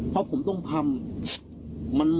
เพราะผมต้องทำ